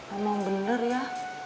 emang bener ya